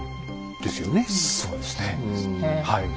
そうですねはい。